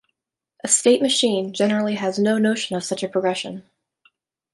A state machine generally has no notion of such a progression.